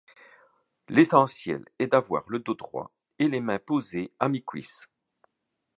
L'essentiel est d'avoir le dos droit, les mains posées à mi-cuisse.